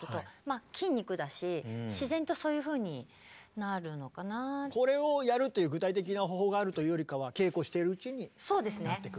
やっぱりこれをやるという具体的な方法があるというよりかは稽古してるうちになってくる？